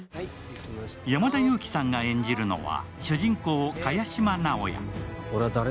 山田裕貴さんが演じるのは、主人公・萱島直哉。